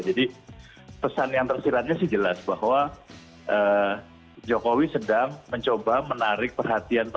jadi pesan yang tersiratnya sih jelas bahwa jokowi sedang mencoba menarik perhatiannya